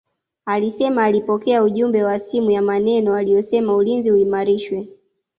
Alisema alipokea ujumbe wa simu ya maneno aliyosema ulinzi uimarishwe